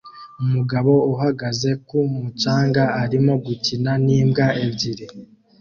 Umugabo uhagaze ku mucanga arimo gukina n'imbwa ebyiri